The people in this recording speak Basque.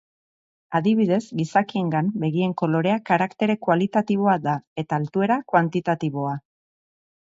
Adibidez, gizakiengan begien kolorea karaktere kualitatiboa da, eta altuera kuantitatiboa.